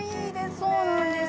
そうなんです